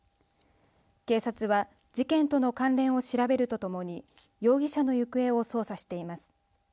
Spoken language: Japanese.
警察は事件との関連を調べるとともに容疑者の行方を捜査しています。